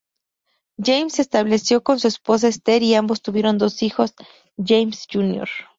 James se estableció con su esposa Esther y ambos tuvieron dos hijos, James Jr.